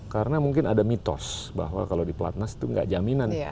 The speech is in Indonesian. karena mungkin ada mitos bahwa kalau di platnas itu tidak jaminan